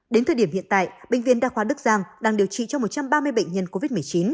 đến thời điểm hiện tại bệnh viện đa khoa đức giang đang điều trị cho một trăm ba mươi bệnh nhân covid một mươi chín